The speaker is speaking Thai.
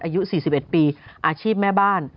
อายุ๔๑ปีอาชีพแม่บ้าน